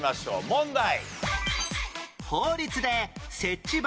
問題。